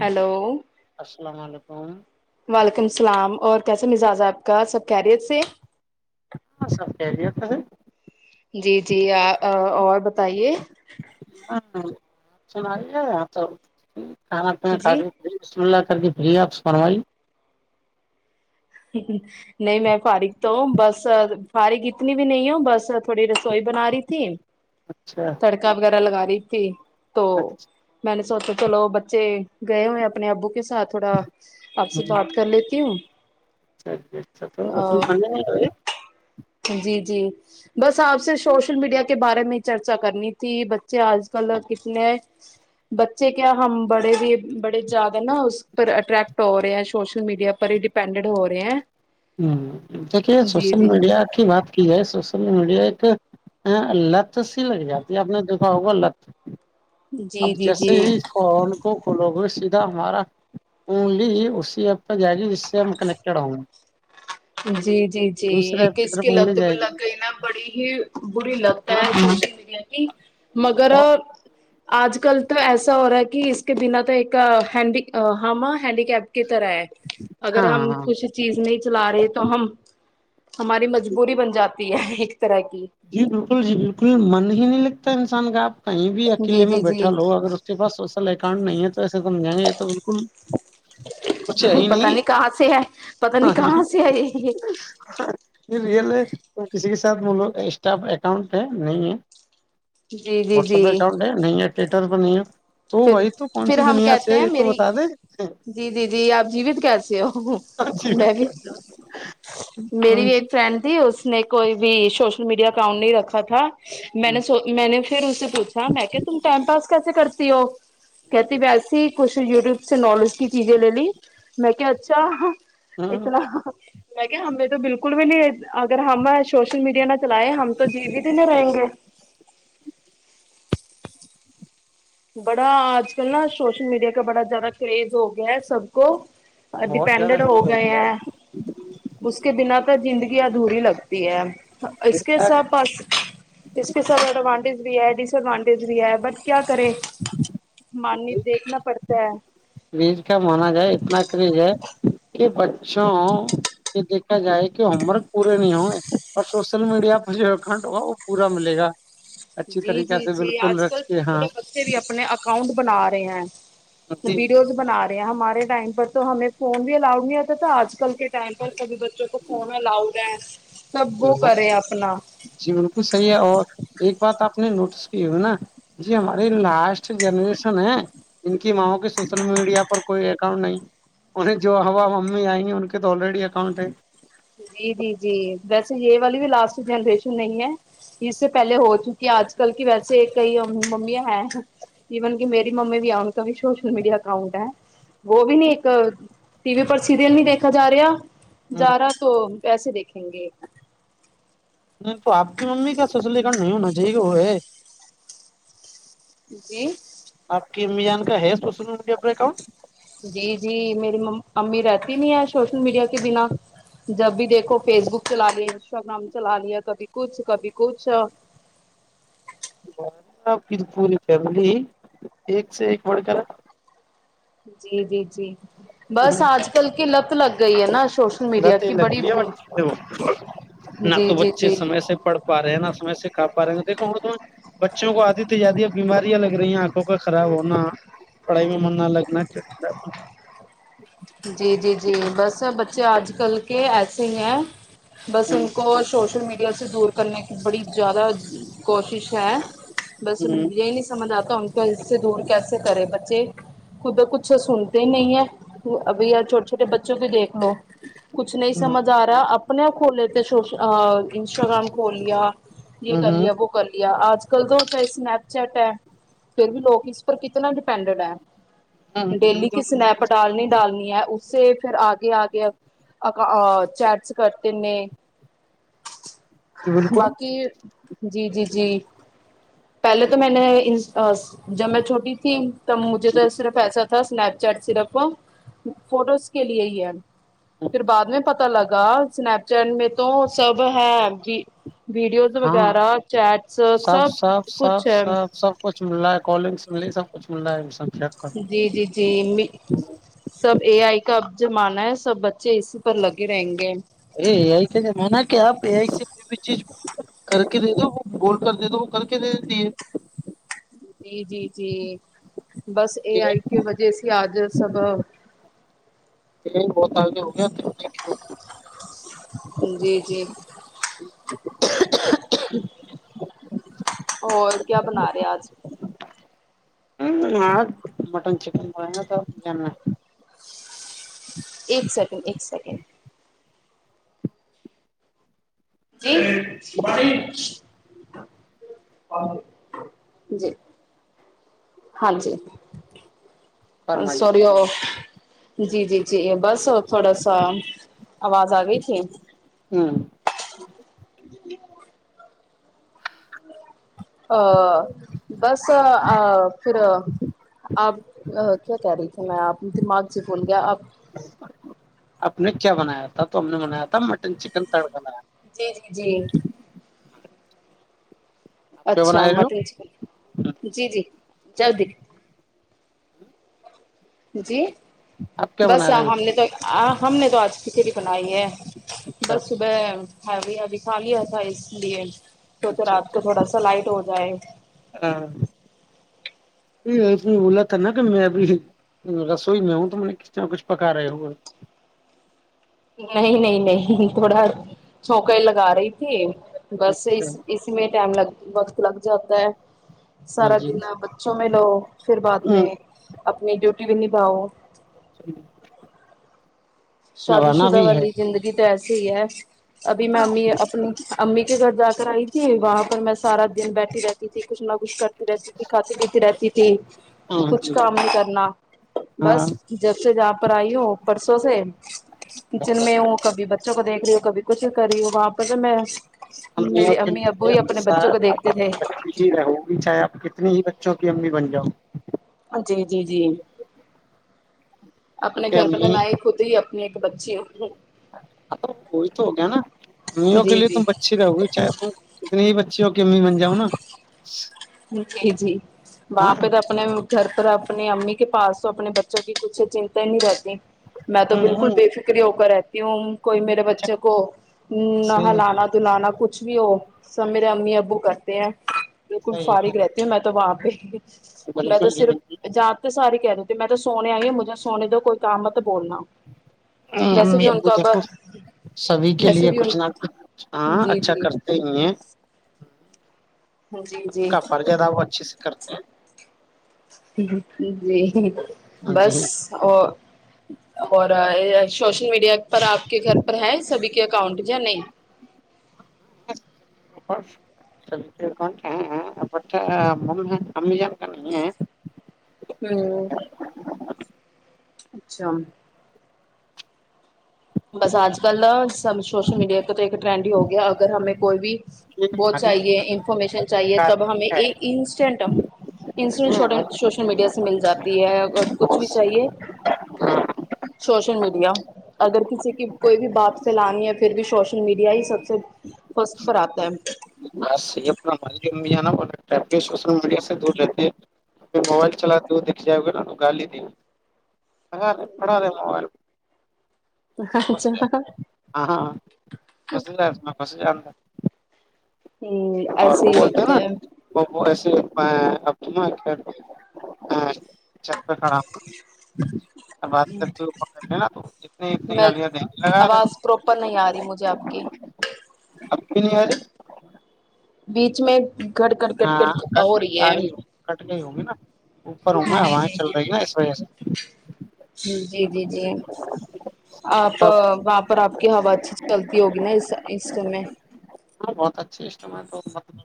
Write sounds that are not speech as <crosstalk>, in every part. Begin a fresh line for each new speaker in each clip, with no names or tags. Hello
السلام علیکم
وعلیکم اللام اور کیسا مزاج ہے آپ کا سب کہہریی سے
ہاں سب کہہریی تھا سر
جی جی اور بتائیے
ہاں سنا آ تو کانا ک
جی
میںن س کے فری آپ سے فروائی
نہیں میں فاریک تو ہوں بس فاریک اتنی بھی نہیں ہوں بس تھوڑی ر سوئی بنا رہی تھی
اچھا
تڑکا وغیرہ لگا رہ رہتی <unintelligible> تو
اچھا
میں نے سوچو چلو بچے گئے ہوئے اپنے آبک کے ساتھ تھوڑا آپ سے بات کر لیتی ہوں
اچھا ج اچھا تو ر م
جی جی <unintelligible> بس آپ سے سوشل میڈیا کے بارے میں چرچا کرنی تھی بچے آج کل کتنے بچے کیا ہم بڑے بھی بڑے زیادہ نا اس پر اٹریکٹ ہو رہے ہیں سوشل میڈیا پر ہی ڈیپینڈنٹ ہو رہے ہیں
ہیکے
جی
سوشل
جی
میڈیا بات کی جائے سوشل میڈیا ایک لت سی لگ جاتی ہے آپ نے دکھا ہوگا لت اب
جی جی
جیسے ہی
جی
فون کو کھولو گے سیدھا ہمارا اونلی اسی ایپ پہ جائے گی جس سے ہم کنیکٹیڈ ہوں گے
جی جی جی
دوسرے
ایک
ایپ
اس
طرف
کی لت
انگلی
پ
جائے
لگ
گی
گئی نا بڑی ہی بری لت ہے
ہاں
مرییا کی مگر
ہاں
آج کل تو ایسا ہو رہا ہے کہ اس کے بنا تو ایک ہینڈی ہما ہینڈی کیپ کی طرح ہے اگر ہم
ہاں
کچھ چیز نہیں چلا رہے تو ہماری مجبوری بن جاتی ہے ایک طرح کی
جی بالکل جی بالکل من ہی نہیں لگتا ان ان گابپ کہیں بھی
جی
اکیلے میں
جی جی
بیٹھا لو اگر اس کے پس سوشل اکاؤنٹ نہیں ہے تو تو ایسے توم ج گے یہ تو بالکل <unintelligible>
پتا نہیں کہاں سے ہے پتا
ہاں
نہیں
جی
کہاں سے ہے یہ یہ
ل ہے تو کسی کے ساتھ ملک اسٹاف اکاؤنٹ ہے نہیں ہے
جی جی جی
واٹسپ اکاؤنٹ ہے نہیں ہے تر ب نہیں تو
پھر
وہی تو کون
پھر
سی
ہم
دنیا سے
کہتے
ہے
ہیں
یہ تو
میری
بتا دیں
جی جی جی آپ جیوت کیس ہو میں بھی میری
کون
بھی
سی
ایک فرینڈ تھی اس نے کوئی بھی سوشل میڈیا کاؤنٹ نہیں رکھا تھا میں نے س میں نے پھر اس سے پوچا م میں کہ تم ٹائم پاس کیسے کرچ س وہ اپن کہتی وسی کچھ یوٹیوب سے نالج کی چیزیں لے لی میں کیا اچھا
ہاں
اتنا مے ہمیں تو بالکل بھی نہیں اگر ہم سوشل میڈیا نہ چلائے ہم تو جی بھی دینے رہیں گے بڑا آج کل نا سوشل میڈیا کا بڑا زیادہ کریز ہو گیا ہے سب کو
بہت زیادہ
ڈپینڈٹ ہو
کریز
گئے
گیا
ہیں
ہے
اس کے بنا تو زندگی ادھوری لگتی ہے اس کے
اتنا
سب پاس اس کے ساتھ ایڈوانٹیج بھی ہے ڈس ایڈوانٹیج بھی ہے بٹ کیا کریں <unintelligible> ماننی دیکھنا پڑتا اچا <unintelligible>
کریز کیا مانا جائے اتنا کریز ہے کہ بچوں کے دیکھا جائے کہ ہوم ورک پورے نہیں ہوں اور سوشل میڈیا پر جو اکاؤٹ ہوگا وہ پورا ملے گا <unintelligible>
جی
طریقہ
جی
سے
جی
بالکل
آج کل
رچ
چھوٹے
کے
چھوٹے
ہاں
بچے بھی اپنے اکاؤنٹ بنا رہے ہیں
جی
ویڈیوز بنا رہے ہیں ہمارے ٹائم بٹ تو ہمیں فون بھی الاؤڈ نہیں آتا تھا آج کل کے ٹائم پر سب بچوں کو فون لاؤودا
ہ جی بکل صحیح ہے اور ایک بات آپ نے نوٹس کی ہو نا جی ہماری لاسٹ جنریشن ہے جن کی ماں کی سوشل میڈیا پر کوئی اکاؤنٹ نہیں انہیں جو ہوا امی آئیںی ان کے تو آلریڈی اکاؤنٹ ہے
جی جی جی ویسے یہ والی بھی لاسٹ جنریشن نہیں ہے اس سے پہلے ہو چکی ہے آج کل کی ویسے کئی ممیاں ہیں ایون کہ میری ممی بھی ہے ان کا بھی سوشل میڈیا اکاؤنٹ ہے وہ بھی نہیں ایک ٹی وی پر سریل نہیں دیکھا ج رہا زارا ہم کیسے دیکھیں گے
نہیں تو آپ کی ممی کیا سسلییکن نہیں ہونا چاہیے وہ ہے
جی
میان کا ہے پسل ان گ اپنے کان
جی جی میری امی رہتی نہیں ہے سوشل میڈیا کے بنا جب بھی دیکھو فیس بک چلا لیا انسٹاگرام چلا لیا کبھی کچھ کبھی کچھ
آپ کی پوری فیملی ہی ایک سے ایک بڑ کر
جی جی جی بس آج کل کے لت لگ گئی ہے ن
لگی ہے ب نہ
جی
تو
جی
بچے
جی
سمے سے پڑھ پا رہے ہیں نہ سمے سے کا پا رہے ہیں دیکھا گا تمہیں بچوں کو آدھی سے زیادی ا بیماریاں لگ رہی آ لوں کا خراب ہونا پڑھائی میں من نہ لگنا ال <unintelligible>
جی جی جی بس بچے آج کل کے ایسے ہی ہیں بس ان کو سوشل میڈیا سے دور کرنے کی بڑی زیادہ کوشش ہے بس یہ نہیں سمجھ آتا ان کو اس سے دور کیسے کرے ب خود کچھ سنتے نہیں ہے اب ار چھوٹے چھوٹے بچوں کو دیکھ لو کچھ نہیں سمجھ آ رہا ا اپنے کھولے تھ سوش انسٹاگرام کھول لیا یہ کر لیا وہ کر لیا آج اج کل تو کائی سنپ چیٹ ہے پھر بھی لگ اس پر کتنا کڈوڈا <unintelligible> ڈیلی
بالکل
کے سن پٹال نے ڈالنی ہے اس سے پھر آگے آگ اک چیٹس کرتے ہیں
بالکل
باقی جی جی جی پہلے تو میں نے <inaudible> جب میں چھوٹی تھی تب مجھے تو صرف ایسا <unintelligible> ا اسپ چاٹ سرپ <unintelligible> فوٹوز کے لیے ہی ہے پھر بعد میں پتا پت لگا سنیپ چیٹ میں تو سب ہے جی <inaudible>
ہاں سب سب سب
کچھ ہے
سب سب کچھ مل رہ ہے کول ڈس م سب کچھلہ ہے سن <inaudible>
جی جی جی سب اے آئی کا جمانہ ہے سب بچے اسی پر لگے رہیں گے
ا اے آئی کا جمانا کہ آپ اے آئی سے کوئی بھی چیز کر کے دے دو وہ بول کر دے دو وہ کر کے دے دیتی ہے
جی جی جی بس یہ آئی کی وجہ سے آج سب
یہ بہت آگے ہو گیا <inaudible>
جی جی اور کیا بنا رہے آج <unintelligible>
ہاں مٹن چکن ب گا تواننا
ایک سیکنڈ ایک سیکنڈ <inaudible> ج بت <inaudible> اور جی <inaudible> ہاں جی <unintelligible>
فرمائیے
سورو <inaudible> جی جی جی بس <unintelligible> تھوڑا سا آواز آ گئی تھی <unintelligible>
ہوں
جی <inaudible> ا <inaudible> بس پھر آپ <unintelligible> کیا کہہ رہی تھی میں آپ دماغ سے بول گیا آپ <unintelligible>
آپ نے کیا بنایا تھا تو ہم نے بنایا تھا <unintelligible> متب مٹن چکن تڑغنا
جی جی جی اچھا
بنا رہے ہو
مٹن چکن جی جی <unintelligible> جلدی <inaudible> جی
آپ
<inaudible>
کیا
بس
بنا رہے ہو
ہم نے تو ہم نے تو آج <unintelligible> کچ <inaudible> بنائیے
اچھا
بس صبح <unintelligible> ہ بھی ابھی خالی تھا اس لیے تو تو
اچھا
رات کو
اچھا
تھوڑا سا لائٹ ہوتا بائ
ہاں اس میں بولا تھا نا کہ میںبھی رسوئی میں ہوں تو میں نے کس طرح کچھ پکا رہا ہوگا
نہیں نہیں نہیں تھوڑا سوکائی لگا رہی تھی بس اس
اچھا
اس میں ٹائم لگ وقت لگ جاتا ہے
ہاں
سارا
جی
دن بچوں میں لو پھر بعد میں اپنی ڈیوٹی بھی نباؤ
چلو
شادی شدہ والی زندگی تو ایس چی ہے ابھی میں امی اپنی امی کے گھر جا کر آئی تھی وہاں پر میں سارا دن بیٹھی رہتی تھی کچھ نہ کچھ کر رہتی تھی کھاتی پیتی رہتی تھی
ہاں
کچھ
جی
کام نہیں کرنا
ہاں
بس جب سے جہاں پر آئی ہوں پرسوں سے کچن میں ہوں کبھی بچوں کو دیکھ رہی ہوں کب کچھ کری ہو واپس میں
ہم لوگوں
میری
کے
امی ابو
لیے
ہی اپنے بچوں کو دیکھتے تھے
ب ہی رہوں گی چاہے آپ کتنی ہی بچوں کی امی بن جاؤ
جی جی جی اپنے
کیونکہ
گھر پہ
امی
میں ہوتی ہی اپنی ایک بچی
ہ تو وہی تو ہو گیا نا امیوں کے
جی
لیے
جی
تم بچی رہوی چاہے تم کتنی ہی اچ اوک میں بن جاؤں نا
جی جی وہاں
ہاں
پہ تو اپنے گھر پر آپ اپنی امی کے پاس تو اپنے بچوں کی کچھ چنتا نہیں رہتی میں تو بالکل بے فکر ہو کر رہتی کیوں کوئی میرے بچے کو نہ
صحیح ہے
ہلانا دلانا کچھ کچھ بھی ہو سب میرے امی ابو کرتے ہیں
صحیح ہے
فارغ رہتی ہوں میں تو وہاں <unintelligible> میں تو
بالکل
صرف ج تو ساری کہہ دیتی م میں تو سونے آئی ہ مجھے سونے دو کوئی کام بولنا ویسے
امی
بھی ان
ابو
کا
دیکھو سبھی کے
ویسے
لیے
بھی ان
کچھ نہ کچھ ہاں
جی
اچھا
جی
کرتے ہی ہیں
جی
ان کا پرجیدہ وہ اچھے سے کرتے ہیں
جی
ہیں
بس
جی
ہو ہو رہا اچھا سوشل میڈیا پر آپ کے گھر پر ہے سبھی کے اکاؤنٹ یا نہیں
آپٹھا اممیان ک ہیں
ہو اچھا بس آج کل سب سوشل میڈیا کا تو ایک ٹرینڈ ہی ہو گیا اگر ہمیں کوئی بھی وہ
ہر
چاہیے انفارمیشن
الگ
چاہیے
پرکار
تب ہمیں
ہے۔
ایک انسٹینٹ ان شٹ سوشل میڈیا سے مل جاتی ہے اور کچھ بھی چاہیے سوشل میڈیا اگر کسی کی کوئی بھی بات پھیلانی ہے پھر بھی سوشل میڈیا ہی سب سے فرسٹ پر آتا ہے
بس یہ اپنا مل سوشل میڈیا سے دور رہتے موبائل چلاتے ہو دکھ جائے گا نگ سگا پڑا رہے م ب
اچھا
ج ہاں ہاں بسی جا میں بس ج
ہوں
اور
ایسے
وہ
ہی
بولتے ہیں
ہوتا ہے
نا وہ ایسے آپ چ پہ کھڑا میں بات کرتے ہو پکڑ ل نا تو جتنی اتنی
میں
گالیاں دی لگا رہے
آواز پراپر نہیں آ
ہیں
مجھے آپ کی
اب نہیں والی
بیچ میں گٹ گٹ گٹ
ہاں
گٹ
کٹ
ہو
آ
ہے
رہی کٹ گئی ہگی نا اوپر ہوں میں
جی
ہوائیں چل
جی
رہی نا اس وجہ سے
جی جی جی جی آپ
مطلب
وہاں پر آپ کی ہوا اچھی چلتی ہوگی نا اس اس سٹے
ہاں بہت اچھے اسٹم ہے تو مطلب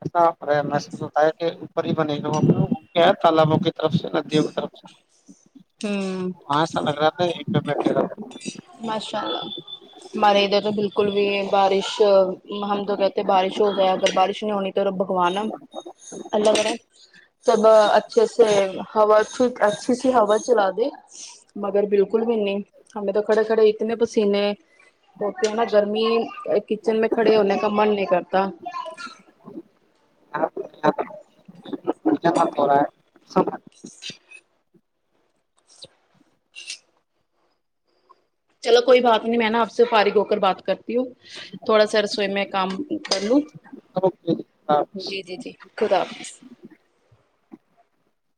ایسا اور محسوس ہوتا ہے کہ ہی بنے گا وہاں ہے تالابوں کی طرف سے ندیوں کی طرف سے
ہوں
نہیں کیالا
ہمارے ادھر تو بالکل بھی بارش ہم تو کہتے بارش ہو جائے اگر بارش نہیں ہونی تو بھگوانا اللہ کرا سب اچھے سے ہوا اچھی سی ہوا چلا دے مگر بالکل بھی نہیں ہمیں تو کھڑے کھڑے اتنے پسینے تو نے گرمی کچن میں کھڑے ہونے کا من نہیں کرتا
رہ ہے <inaudible>
چلو کوئی بات نہیں میں نا آپ سے فارغ ہو کر بات کرتی ہوں تھوڑا سا رسوئی میں کام کر لوں
اوکے جی اللہ حافظ
جی جی جی خدا حافظ <inaudible>